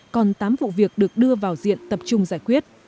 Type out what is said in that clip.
còn tám vụ việc được đưa vào diện tập trung giải quyết